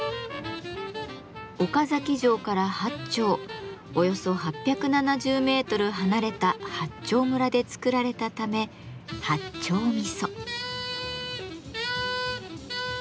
岡崎城から８丁およそ８７０メートル離れた八丁村で作られたため「八丁味噌」。